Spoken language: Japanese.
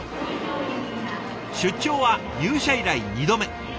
出張は入社以来２度目。